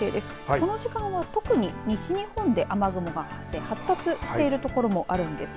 この時間は特に西日本で雨雲が発生発達しているところもあるんですね。